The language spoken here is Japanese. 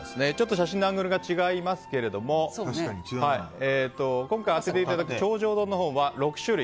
写真のアングルが違いますけれど今回、当てていただく頂上丼は６種類。